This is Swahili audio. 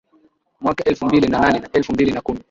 Mwaka elfu mbili na nane na elfu mbili na kumi